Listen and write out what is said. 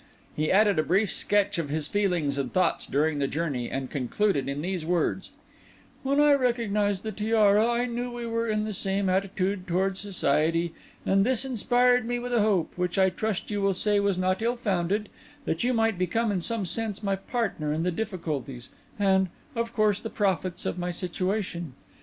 He added a brief sketch of his feelings and thoughts during the journey, and concluded in these words:— "When I recognised the tiara I knew we were in the same attitude towards Society, and this inspired me with a hope, which I trust you will say was not ill founded, that you might become in some sense my partner in the difficulties and, of course, the profits of my situation.